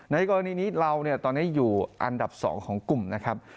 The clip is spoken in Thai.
ในกรณีนี้เราตอนนี้อยู่อันดับ๒ของกลุ่มนะครับ